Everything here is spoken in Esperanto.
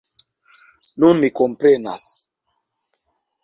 Nun mi komprenas!